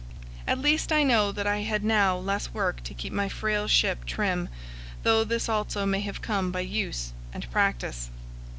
At least I know that I had now less work to keep my frail ship trim, though this also may have come by use and practice.